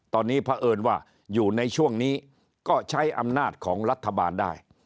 ตอนนี้เพราะเอิญว่าอยู่ในช่วงนี้ก็ใช้อำนาจของรัฐบาลได้